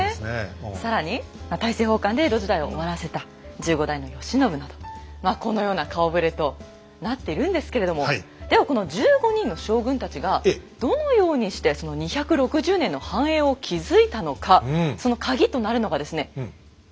更に大政奉還で江戸時代を終わらせた１５代の慶喜などこのような顔ぶれとなっているんですけれどもではこの１５人の将軍たちがどのようにしてその２６０年の繁栄を築いたのかそのカギとなるのがですね江戸の町なんです。